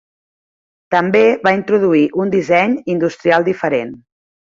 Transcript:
També va introduir un disseny industrial diferent.